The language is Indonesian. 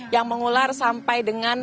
yang mengular sampai dengan